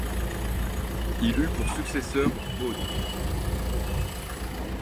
Il eut pour successeur Baud.